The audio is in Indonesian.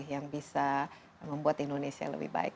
yang bisa membuat indonesia lebih baik